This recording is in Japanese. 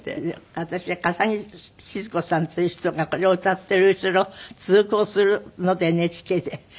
私は笠置シヅ子さんという人がこれを歌っている後ろ通行するのでＮＨＫで。